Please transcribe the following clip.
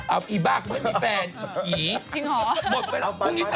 เอ้าอีบ๊ากเจ้าสุกแฟนอีกหี่